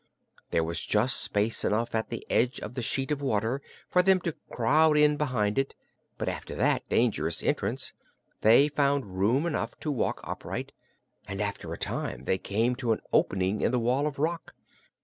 There was just space enough at the edge of the sheet of water for them to crowd in behind it, but after that dangerous entrance they found room enough to walk upright and after a time they came to an opening in the wall of rock.